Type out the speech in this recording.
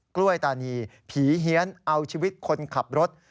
กล้วยตานีผีเฮียนเอาชีวิตคนขับรถ